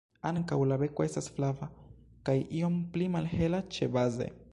Ankaŭ la beko estas flava, kaj iom pli malhela ĉebaze.